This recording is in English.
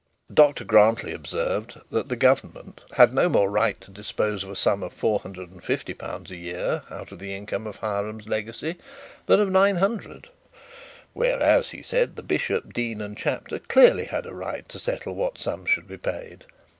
Dr Grantly observed that the government had no more right to dispose of a sum of four hundred and fifty pounds a year out of the income of Hiram's legacy, than of nine hundred; whereas, as he said, the bishop, dean and chapter clearly had a right to settle what sum should be paid.